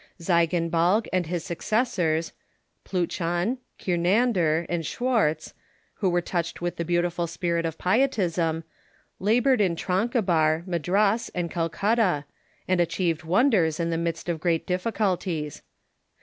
Ziegenbalg and his successors, Pliitschau, Kiernan other Early ^| g^hwartz, who Were touched with the beau Missionanes ''_ tiful spirit of Pietism, labored in Tranquebar, Ma dras, and Calcutta, and achieved wonders in the midst of great difficulties.